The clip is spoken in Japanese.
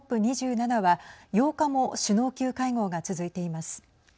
ＣＯＰ２７は８日も首脳級会合が続いています。